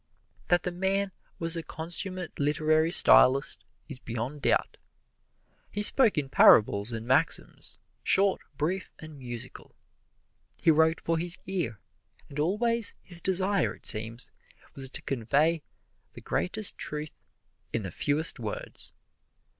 That the man was a consummate literary stylist is beyond doubt. He spoke in parables and maxims, short, brief and musical. He wrote for his ear, and always his desire, it seems, was to convey the greatest truth in the fewest words.